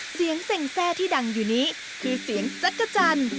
เสียงเซ็งแทร่ที่ดังอยู่นี้คือเสียงจักรจันทร์